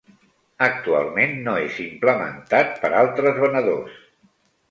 Actualment no és implementat per altres venedors.